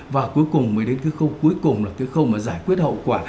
và cuối cùng mới đến cái khâu cuối cùng là cái khâu mà giải quyết hậu quả